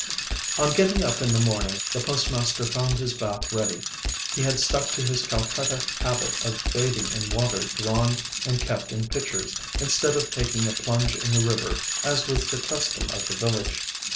On getting up in the morning, the postmaster found his bath ready. He had stuck to his Calcutta habit of bathing in water drawn and kept in pitchers, instead of taking a plunge in the river as was the custom of the village.